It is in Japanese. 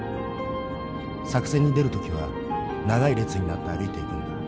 作戦に出る時は長い列になって歩いていくんだ。